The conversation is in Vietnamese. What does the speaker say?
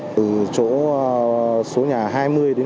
từ chỗ số nhà hải dương